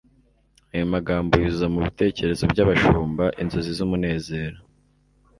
Ayo magambo yuzuza mu bitekerezo by'abashumba inzozi z'umunezero.